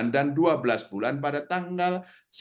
dan dua belas bulan pada tanggal